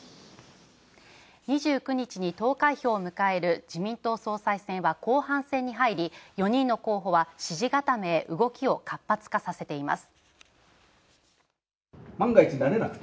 ２９日に投開票を迎える自民党総裁選は後半戦に入り、４人の候補は支持固めへ動きを活発化させています。